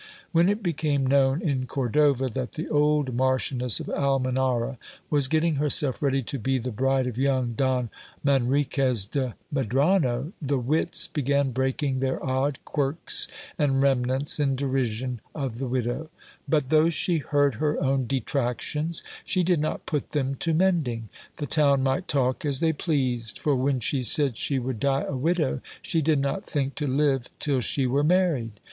When it became known in Cor dova that the old Marchioness of Almenara was getting herself ready to be the bride of young Don Manriquez de Medrano, the wits began breaking their odd quirks and remnants in derision of the widow ; but though she heard her own detractions, she did not put them to mending; the town might talk as they pleased ; for when she said she would die a widow, she did not think to live till she were married.